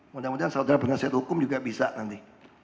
mudah mudahan saudara penasihat hukum juga bisa nanti